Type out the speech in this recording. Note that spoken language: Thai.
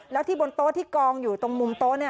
แล้วที่บนโต๊ะที่กองอยู่ตรงมุมโต๊ะ